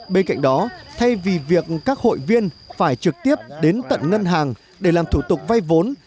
bên cạnh đó thay vì việc các hội viên phải trực tiếp đến tận ngân hàng để làm thủ tục vay vốn